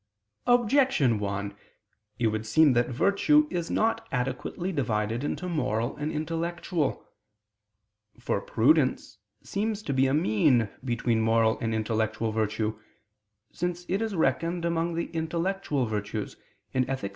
Objection 1: It would seem that virtue is not adequately divided into moral and intellectual. For prudence seems to be a mean between moral and intellectual virtue, since it is reckoned among the intellectual virtues (Ethic.